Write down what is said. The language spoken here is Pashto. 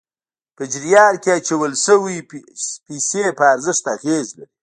په جریان کې اچول شويې پیسې په ارزښت اغېز لري.